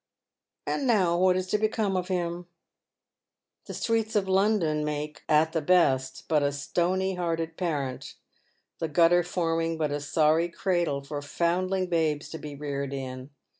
And now what is to become of him ? The streets of London make, at the best, but a stony hearted parent, the gutter forming but a sorry cradle for foundling babes to be reared in.